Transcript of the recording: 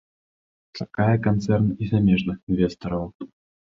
Чакае канцэрн і замежных інвестараў.